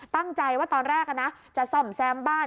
ตั้งใจว่าตอนแรกนะจะซ่อมแซมบ้าน